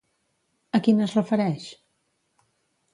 A quin es refereix?